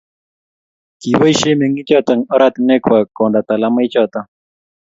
kiboisie meng'ichoto ortinwekwach koonda talamoichoto